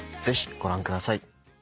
ぜひご覧ください。